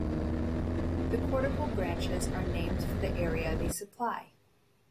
The cortical branches are named for the area they supply.